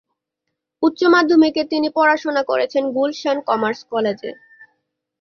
উচ্চ মাধ্যমিকে তিনি পড়াশোনা করেছেন গুলশান কমার্স কলেজে।